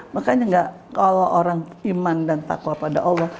makanya enggak kalau orang iman dan takwa pada allah